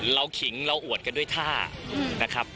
ขิงเราอวดกันด้วยท่านะครับ